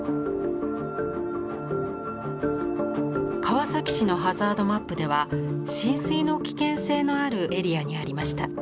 川崎市のハザードマップでは浸水の危険性のあるエリアにありました。